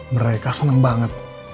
mereka senang banget